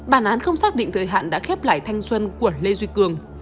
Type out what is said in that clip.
bản án không xác định thời hạn đã khép lại thanh xuân của lê duy cường